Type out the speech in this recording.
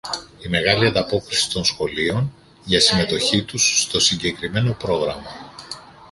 Η μεγάλη ανταπόκριση των σχολείων για συμμετοχή τους στο συγκεκριμένο πρόγραμμα